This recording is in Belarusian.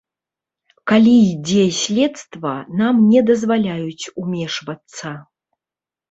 Калі ідзе следства, нам не дазваляюць умешвацца.